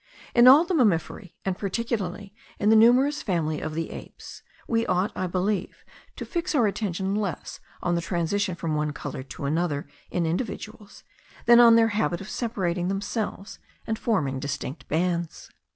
In all the mammiferae, and particularly in the numerous family of the apes, we ought, I believe, to fix our attention less on the transition from one colour to another in individuals, than on their habit of separating themselves, and forming distinct bands.